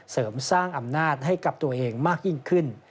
เสริมสร้างอำนาจให้กับตัวเองมากยิ่งขึ้น